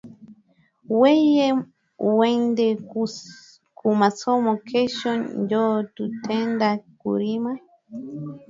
Weye wende ku masomo kesho njo tutenda kurima